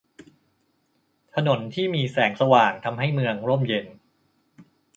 ถนนที่มีแสงสว่างทำให้เมืองร่มเย็น